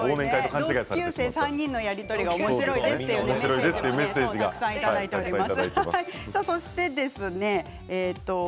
同級生３人のやり取りが楽しいですというメッセージもたくさんいただいています。